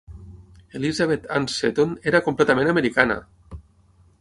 Elizabeth Ann Seton era completament americana!